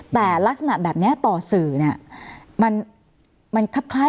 แต่ลักษณะแบบนี้ต่อสื่อเนี่ย